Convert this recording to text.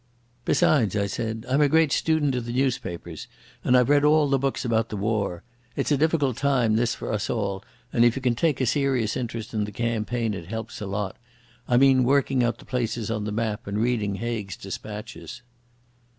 "Besides," I said, "I'm a great student o' the newspapers, and I've read all the books about the war. It's a difficult time this for us all, and if you can take a serious interest in the campaign it helps a lot. I mean working out the places on the map and reading Haig's dispatches."